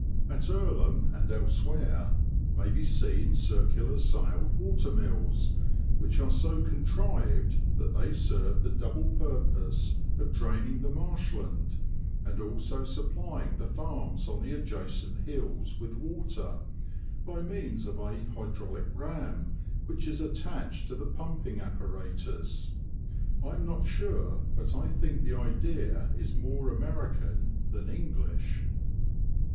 At Earlham, and elsewhere, may be seen circular sailed water mills, which are so contrived, that they serve the ^_^i5 double purpose of drain ing the marsh land, and also supplying the farms on the adjacent g^i hills with water, by means of a hydraulic ram, which is attached to the pumping appa ratus. I am not sure, but I think the idea is more American than English.